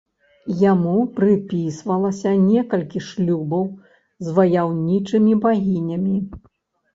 Яму прыпісвалася некалькі шлюбаў з ваяўнічымі багінямі.